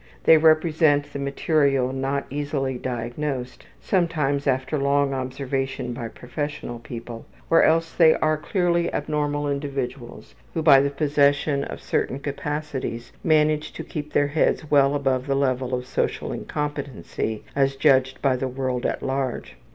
They represent the material not easily diagnosed, sometimes after long observation by professional people, or else they are clearly abnormal individuals who, by the possession of certain capacities, manage to keep their heads well above the level of social incompetency as judged by the world at large.